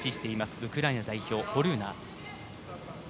ウクライナ代表ホルーナ。